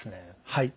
はい。